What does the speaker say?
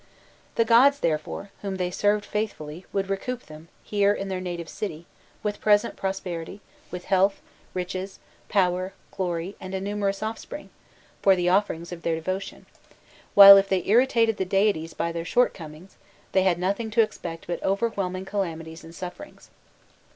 The gods, therefore, whom they served faithfully would recoup them, here in their native city, with present prosperity, with health, riches, power, glory, and a numerous offspring, for the offerings of their devotion; while, if they irritated the deities by their shortcomings, they had nothing to expect but overwhelming calamities and sufferings.